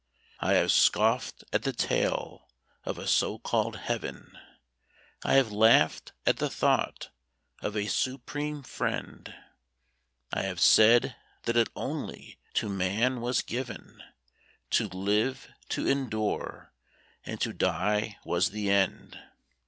I have scoffed at the tale of a so called heaven; I have laughed at the thought of a Supreme Friend; I have said that it only to man was given To live, to endure; and to die was the end.